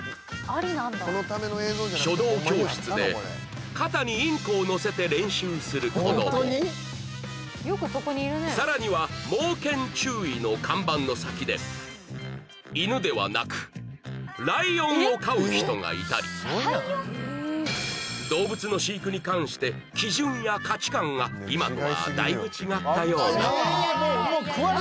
書道教室で肩にインコを乗せて練習する子どもさらには「猛犬注意」の看板の先で犬ではなくライオンを飼う人がいたり動物の飼育に関して基準や価値観が今とはだいぶ違ったようだ